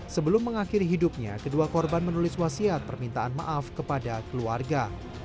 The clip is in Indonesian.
sebelum mengakhiri hidupnya kedua korban menulis wasiat permintaan maaf kepada keluarga